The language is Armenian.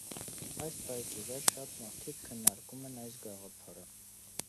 Այդ պահից ի վեր շատ մարդիկ քննարկում են այս գաղափարը։